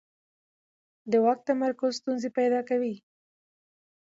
د واک تمرکز ستونزې پیدا کوي